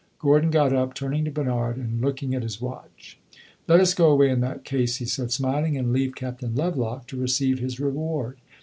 Gordon got up, turning to Bernard and looking at his watch. "Let us go away, in that case," he said, smiling, "and leave Captain Lovelock to receive his reward.